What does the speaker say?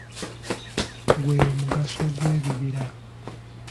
Gwe mugaso gw’ebibira.